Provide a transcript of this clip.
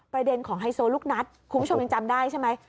ประเด็นของไฮโซลูกนัดคุณผู้ชมยังจำได้ใช่ไหม